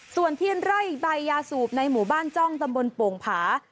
ส่วนที่ไร่ใบยาสูบในหมู่บ้านจ้องตำบลโป่งผา